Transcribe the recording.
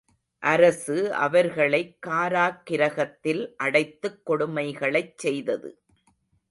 அரசு அவர்களைக் காராக்கிரகத்தில் அடைத்துக் கொடுமைகளைச் செய்தது.